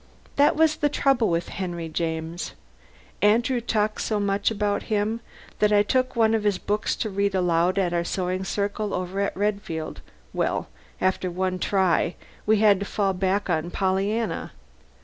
That was the trouble with Henry James. Andrew talked so much about him that I took one of his books to read aloud at our sewing circle over at Redfield. Well, after one try we had to fall back on "Pollyanna."